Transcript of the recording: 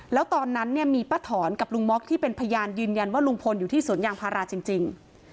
แล้วตอนนั้นเนี่ยมีป้าถอนกับลุงม็อกที่เป็นพยานยืนยันว่าลุงพลอยู่ที่สวนยางพาราจริง